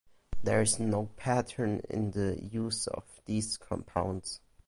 There is no pattern in the use of these compounds.